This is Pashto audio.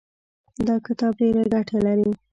دا کتاب ډېره ګټه لري.